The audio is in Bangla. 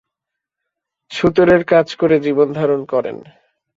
ছুতোরের কাজ করে জীবনধারণ করেন।